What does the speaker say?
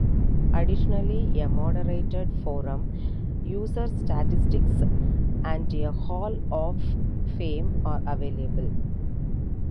Additionally, a moderated forum, user statistics, and a hall-of-fame are available.